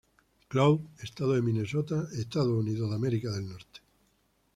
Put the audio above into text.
Cloud, estado de Minnesota, Estados Unidos.